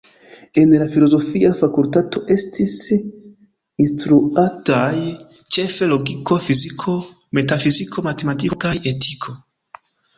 En la filozofia fakultato estis instruataj ĉefe logiko, fiziko, metafiziko, matematiko kaj etiko.